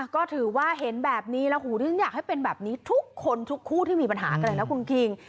ก็ถือว่าเห็นแบบนี้แล้วหูถึงอยากให้เป็นแบบนี้ทุกคนทุกคู่ที่มีปัญหากันเลยนะคุณคิง